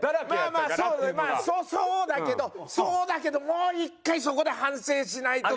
まあそうだけどそうだけどもう１回そこで反省しないと。